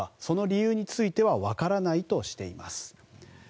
その理由については分からないとしています。